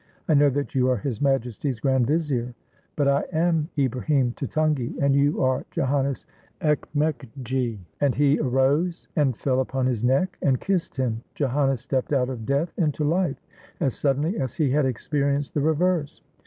I know that you are His Majesty's grand vizier!" "But I am Ibrahim Tutungi, and you are Joannes Ekmekgi "; and he arose, and fell upon his neck, and kissed him ! Joannes stepped out of death into life as suddenly as he had experienced the reverse.